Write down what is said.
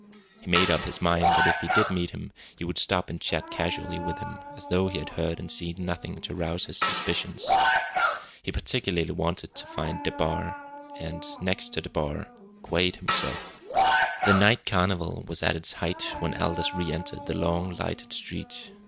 He made up his mind that if he did meet him he would stop and chat casually with him, as though he had heard and seen nothing to rouse his suspicions. He particularly wanted to find DeBar; and, next to DeBar, Quade himself. The night carnival was at its height when Aldous re entered the long, lighted street.